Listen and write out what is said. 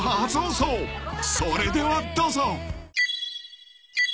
［それではどうぞ］